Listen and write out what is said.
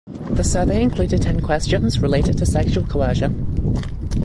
The survey included ten questions related to sexual coercion.